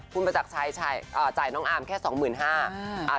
คุณประจักรชัยจ่ายน้องอาร์มแค่สองหมื่นห้า